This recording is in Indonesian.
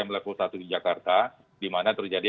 melaku satu di jakarta di mana terjadi